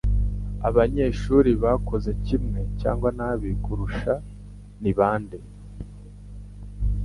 Abanyeshuri bakoze kimwe cyangwa nabi kukurusha nibande